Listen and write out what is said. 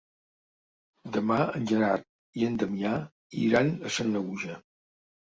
Demà en Gerard i en Damià iran a Sanaüja.